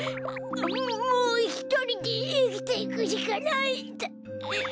もうひとりでいきていくしかないんだ！